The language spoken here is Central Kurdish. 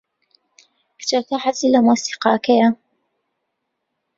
کچەکە حەزی لە مۆسیقاکەیە.